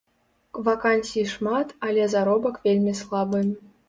Вакансій шмат, але заробак вельмі слабы.